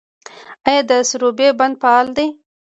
آیا د سروبي بند فعال دی؟